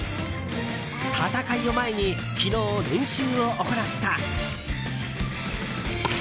戦いを前に昨日、練習を行った。